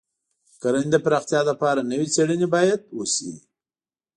د کرنې د پراختیا لپاره نوې څېړنې باید وشي.